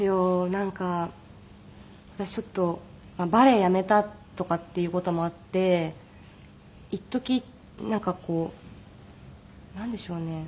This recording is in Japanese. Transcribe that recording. なんか私ちょっとバレエやめたとかっていう事もあって一時なんかこうなんでしょうね。